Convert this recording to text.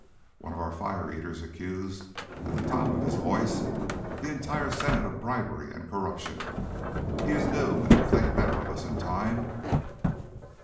One of our fire eaters accused at the top of his voice the entire Senate of bribery and corruption. He is new and will think better of us in time.